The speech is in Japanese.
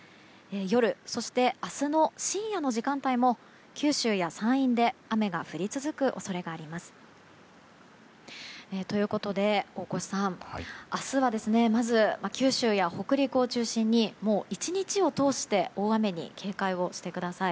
夜、そして明日の深夜の時間帯も九州や山陰で雨が降り続く恐れがあります。ということで大越さん明日はまず九州や北陸を中心にもう１日を通して大雨に警戒をしてください。